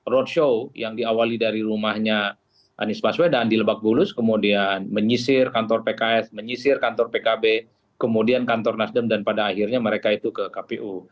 roadshow yang diawali dari rumahnya anies baswedan di lebak bulus kemudian menyisir kantor pks menyisir kantor pkb kemudian kantor nasdem dan pada akhirnya mereka itu ke kpu